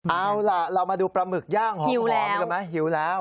เอาล่ะเรามาดูปลาหมึกย่างหอมกันไหมหิวแล้ว